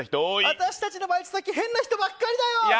私たちのバイト先変な人ばっかりだよ。